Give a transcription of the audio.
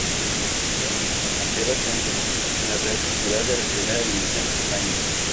Juega como delantero centro en la Real Sociedad de la Primera División de España.